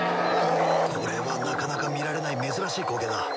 これはなかなか見られない珍しい光景だ